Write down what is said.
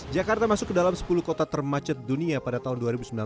jakarta masuk ke dalam sepuluh kota termacet dunia pada tahun dua ribu sembilan belas